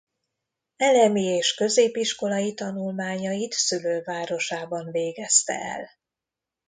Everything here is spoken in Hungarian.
Elemi és középiskolai tanulmányait szülővárosában végezte el.